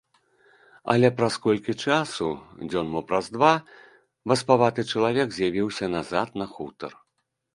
Але праз колькі часу, дзён мо праз два, васпаваты чалавек з'явіўся назад на хутар.